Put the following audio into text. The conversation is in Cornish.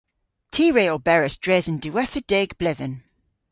Ty re oberas dres an diwettha deg bledhen.